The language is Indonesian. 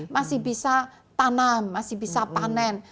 masih bisa tanam masih bisa panen